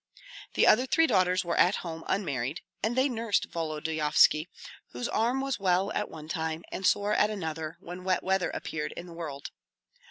The other three daughters were at home unmarried; and they nursed Volodyovski, whose arm was well at one time and sore at another, when wet weather appeared in the world.